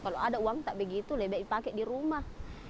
lebih baik pakai di rumah